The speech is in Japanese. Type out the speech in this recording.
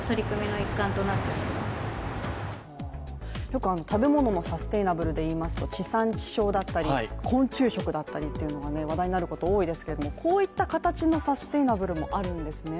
よく食べ物のサステイナブルでいいますと昆虫食だったりが話題になることが多いですがこういった形のサステイナブルもあるんですね